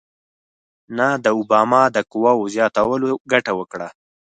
نه د اوباما د قواوو زیاتولو ګټه وکړه.